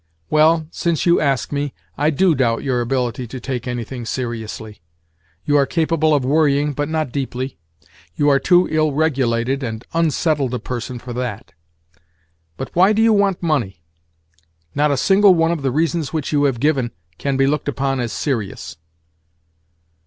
"Well, since you ask me, I do doubt your ability to take anything seriously. You are capable of worrying, but not deeply. You are too ill regulated and unsettled a person for that. But why do you want money? Not a single one of the reasons which you have given can be looked upon as serious."